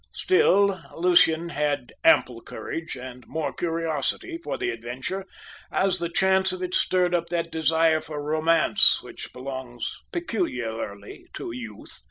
Still, Lucian had ample courage, and more curiosity, for the adventure, as the chance of it stirred up that desire for romance which belongs peculiarly to youth.